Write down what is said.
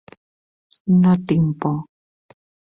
No tinc por.